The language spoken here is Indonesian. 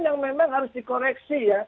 yang memang harus dikoreksi ya